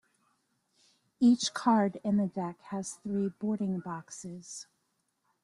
Each card in the deck has three boarding boxes.